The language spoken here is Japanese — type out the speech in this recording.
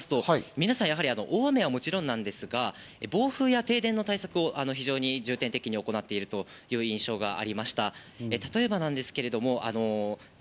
一方、島民の方に話を聞いてみますと、皆さん、大雨はもちろんなんですが、暴風や停電の対策を非常に重点的に行っているという印象がありました。